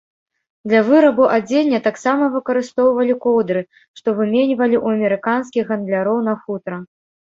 Для вырабу адзення таксама выкарыстоўвалі коўдры, што выменьвалі ў амерыканскіх гандляроў на футра.